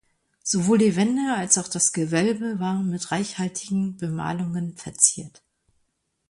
Sowohl die Wände als auch das Gewölbe waren mit reichhaltigen Bemalungen verziert.